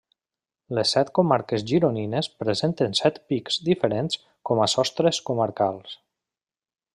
Les set comarques gironines presenten set pics diferents com a sostres comarcals.